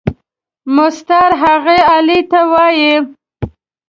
مسطر هغې آلې ته وایي.